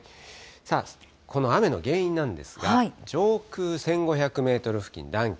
さあ、この雨の原因なんですが、上空１５００メートル付近、暖気。